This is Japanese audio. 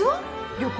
旅行。